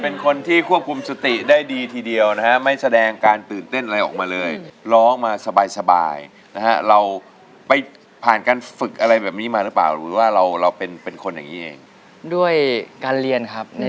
ในมหาลัยในห้องคลาสเรียนเนี่ย